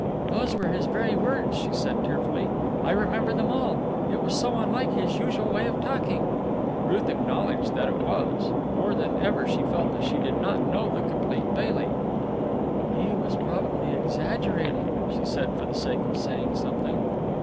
"Those were his very words," she said tearfully. "I remember them all. It was so unlike his usual way of talking." Ruth acknowledged that it was. More than ever she felt that she did not know the complete Bailey. "He was probably exaggerating," she said for the sake of saying something.